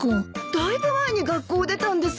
だいぶ前に学校を出たんですが。